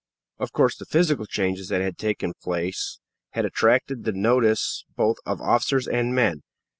Of course, the physical changes that had taken place had attracted the notice both of officers and men.